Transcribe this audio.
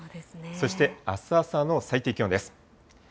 そしてあす朝の最低気温です。